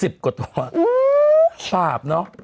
บาปเนอะ